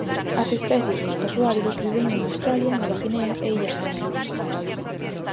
As especies dos casuáridos viven en Australia, Nova Guinea e illas próximas.